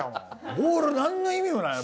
ボール何の意味もない。